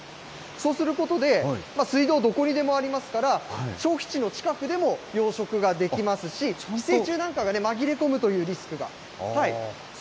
そうすることで、水道、どこにでもありますから、消費地の近くでも養殖ができますし、寄生虫なんかが紛れ込むなんというリスクが。